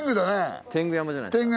天狗山じゃないですか。